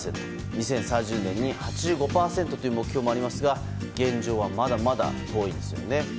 ２０３０年に８５％という目標もありますが現状はまだまだ遠いですよね。